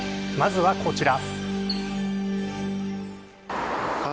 まずは、こちら。